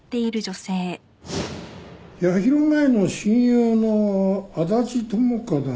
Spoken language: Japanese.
八尋舞の親友の安達智花だね。